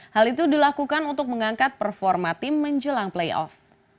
hal itu dilakukan untuk mengangkat performa tim menjelang playoff